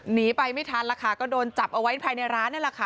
หนีไปไม่ทันแล้วค่ะก็โดนจับเอาไว้ภายในร้านนั่นแหละค่ะ